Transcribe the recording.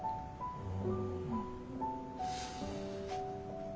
うん。